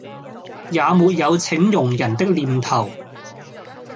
也沒有請佣人的念頭